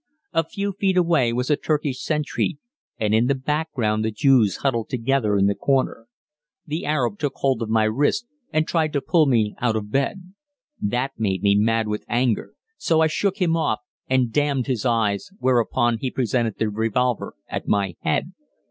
A few feet away was a Turkish sentry, and in the background the Jews huddled together in the corner. The Arab took hold of my wrist and tried to pull me out of bed. That made me mad with anger, so I shook him off and damned his eyes, whereupon he presented the revolver at my head.